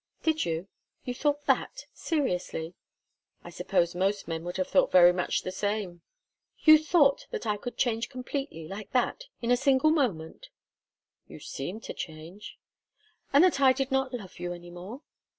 "Did you? You thought that? Seriously?" "I suppose most men would have thought very much the same." "You thought that I could change completely, like that in a single moment?" "You seemed to change." "And that I did not love you any more?"